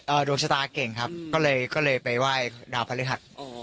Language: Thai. เอ่อดวงชะตาเก่งครับก็เลยก็เลยไปไหว้ดาวพระธุรกิจอ๋อ